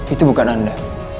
itu bukan anda